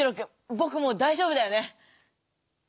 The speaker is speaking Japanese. ぼくもうだいじょうぶだよね？